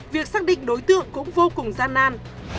việc xác định đối tượng cũng vô cùng gian nan